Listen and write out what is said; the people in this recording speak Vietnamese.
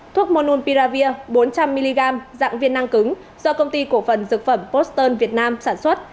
thuốc mononpiravir bốn trăm linh mg dạng viên năng cứng do công ty cổ phần dược phẩm boston việt nam sản xuất